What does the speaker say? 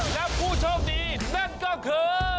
และผู้โชคดีนั่นก็คือ